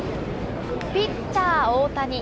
ピッチャー、大谷。